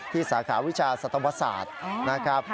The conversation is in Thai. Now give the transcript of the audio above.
สาขาวิชาสัตวศาสตร์นะครับ